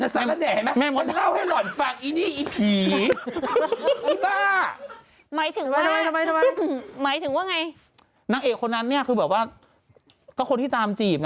ใส่มันแห่งไหมแม่มดเล่าให้หล่อนฝากอีนี่อีผี